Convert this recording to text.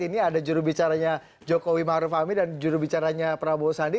ini ada jurubicaranya jokowi maruf amin dan jurubicaranya prabowo sandi